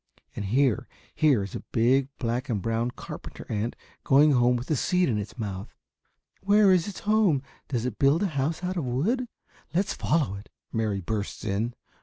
And here, here is a big black and brown carpenter ant going home with a seed in its mouth." "Where is its home? Does it build a house out of wood? Let's follow it," Mary bursts in.